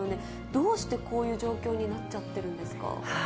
どうしてこういう状況になっちゃってるんですか。